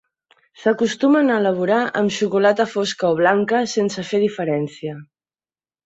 S'acostumen a elaborar amb xocolata fosca o blanca sense fer diferència.